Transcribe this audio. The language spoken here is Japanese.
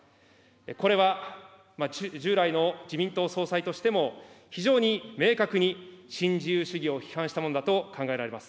これは従来の自民党総裁としても、非常に明確に新自由主義を批判したものだと考えられます。